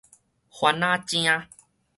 番仔正